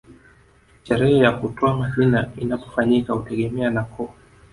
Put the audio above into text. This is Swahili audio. Sherehe ya kutoa majina inapofanyika hutegemea na koo